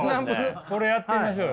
これやってみましょうよ。